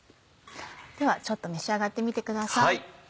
ではちょっと召し上がってみてください。